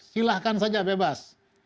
silahkan saja bebas